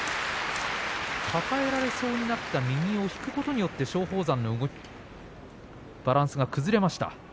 抱えられそうになって右を引くことによって松鳳山のバランスが崩れました。